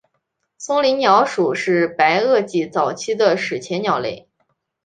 松岭鸟属是白垩纪早期的史前鸟类。